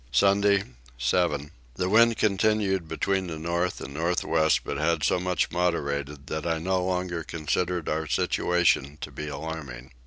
Sunday 7. The wind continued between the north and north west but had so much moderated that I no longer considered our situation to be alarming.